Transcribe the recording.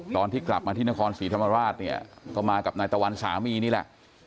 ตอนที่กลับมาที่นครศรีธรรมราชเนี่ยก็มากับนายตะวันสามีนี่แหละ